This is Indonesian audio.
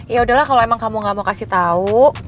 yaudah lah kalo emang kamu gak mau kasih tau